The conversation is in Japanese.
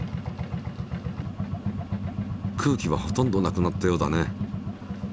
空気はほとんど無くなったようだね。